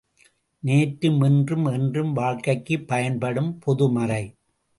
நேற்றும் இன்றும் என்றும் வாழ்க்கைக்குப் பயன்படும் பொதுமறை.